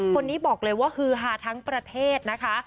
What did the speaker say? คนนี้บอกเลยว่าฮือฮาทั้งประเทศนะคะ